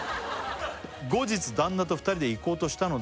「後日旦那と２人で行こうとしたのですが」